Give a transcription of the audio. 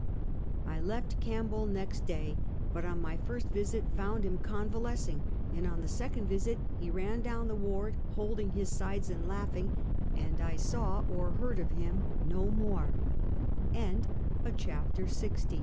I left Campbell next day, but on my first visit found him convalescing, and on the second visit he ran down the ward holding his sides and laughing, and I saw or heard of him